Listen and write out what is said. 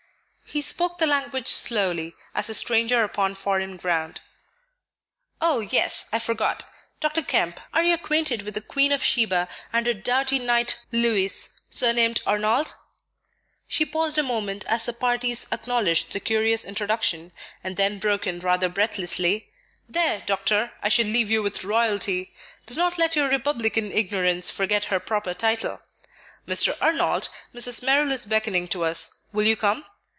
He spoke the language slowly, as a stranger upon foreign ground. "Oh, yes; I forgot. Dr. Kemp, are you acquainted with the Queen of Sheba and her doughty knight Louis, surnamed Arnold?" She paused a moment as the parties acknowledged the curious introduction, and then broke in rather breathlessly: "There, Doctor, I shall leave you with royalty; do not let your republican ignorance forget her proper title. Mr. Arnold, Mrs. Merrill is beckoning to us; will you come?"